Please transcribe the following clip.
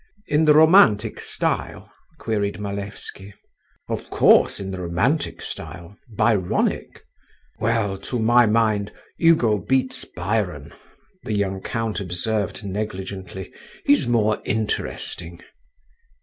"In the romantic style?" queried Malevsky. "Of course, in the romantic style—Byronic." "Well, to my mind, Hugo beats Byron," the young count observed negligently; "he's more interesting."